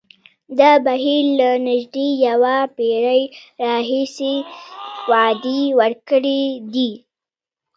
دا بهیر له نژدې یوه پېړۍ راهیسې وعدې ورکړې دي.